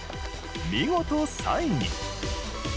見事３位に。